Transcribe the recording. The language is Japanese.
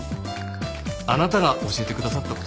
あなたが教えてくださった事です。